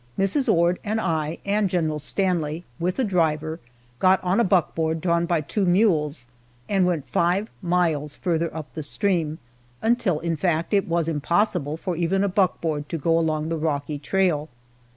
Mrs. Ord and I and General Stanley, with a driver, got on a buckboard drawn by two mules, and went five miles farther up the stream, until, in fact, it was impossible for even a buckboard to go along the rocky trail.